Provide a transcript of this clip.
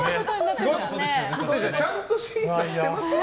ちゃんと審査してますか。